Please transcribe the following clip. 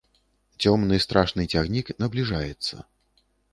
Цёмны, страшны цягнік набліжаецца.